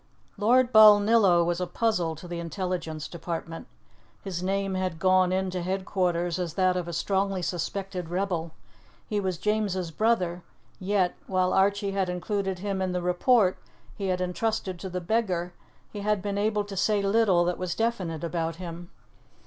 Lord Balnillo was a puzzle to the intelligence department. His name had gone in to headquarters as that of a strongly suspected rebel; he was James's brother; yet, while Archie had included him in the report he had entrusted to the beggar, he had been able to say little that was definite about him.